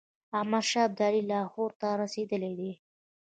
احمدشاه ابدالي لاهور ته رسېدلی دی.